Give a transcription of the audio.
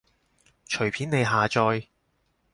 隨便你下載